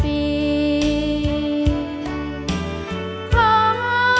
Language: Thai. จูบลูกหลายเท่าโยม